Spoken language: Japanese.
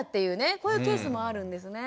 こういうケースもあるんですね。